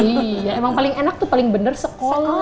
iya emang paling enak tuh paling bener sekolah